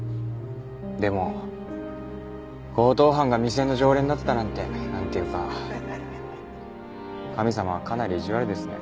でも強盗犯が店の常連だったなんてなんていうか神様はかなり意地悪ですね。